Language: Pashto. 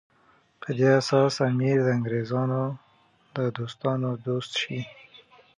په دې اساس امیر د انګریزانو د دوستانو دوست شي.